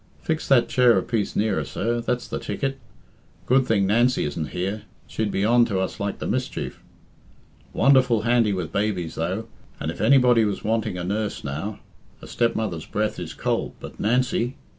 Fix that chair a piece nearer, sir that's the ticket. Good thing Nancy isn't here. She'd be on to us like the mischief. Wonderful handy with babies, though, and if anybody was wanting a nurse now a stepmother's breath is cold but Nancy!